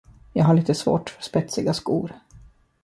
Jag har lite svårt för spetsiga skor.